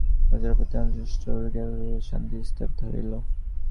রাজার প্রতি অসন্তোষ দূর হইয়া গেল-রোজ্যে শান্তি স্থাপিত হইল।